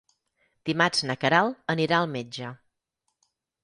Dimarts na Queralt anirà al metge.